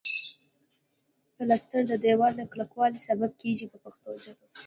پلستر د دېوال د کلکوالي سبب کیږي په پښتو ژبه.